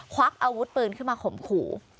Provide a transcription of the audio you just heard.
ควักอาวุธปืนขึ้นมาข่มขู่